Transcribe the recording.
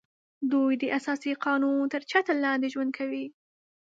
دوی د اساسي قانون تر چتر لاندې ژوند کوي